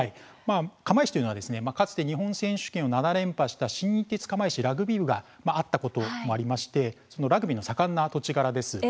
釜石というのはかつて日本選手権を７連覇した新日鉄釜石ラグビー部があったこともありラグビーの盛んな土地柄です。